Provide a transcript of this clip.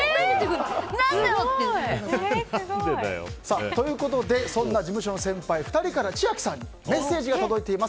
何だよ！って。ということでそんな事務所の先輩２人から千秋さんにメッセージが届いています。